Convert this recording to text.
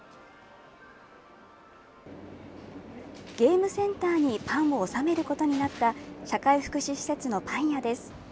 ゲームセンターにパンを納めることになった社会福祉施設のパン屋です。